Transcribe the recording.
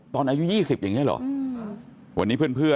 ตอนอายุ๒๐อย่างนี้หรอ